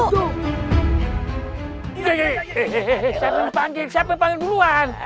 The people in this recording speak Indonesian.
hei hei hei siapa yang panggil duluan